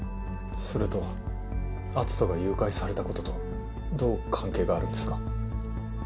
それと篤斗が誘拐されたこととどう関係があるんですか？